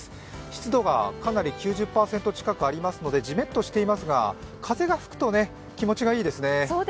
湿度が、かなり９０％近くありますのでじめっとしていますが風が吹くと気持ちがいいですね。